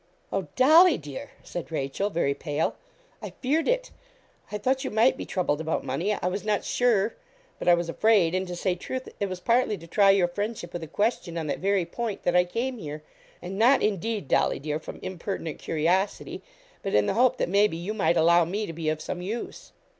'Oh, Dolly, dear,' said Rachel, very pale, 'I feared it. I thought you might be troubled about money. I was not sure, but I was afraid; and, to say truth, it was partly to try your friendship with a question on that very point that I came here, and not indeed, Dolly, dear, from impertinent curiosity, but in the hope that maybe you might allow me to be of some use.'